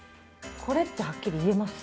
これってはっきり言えます？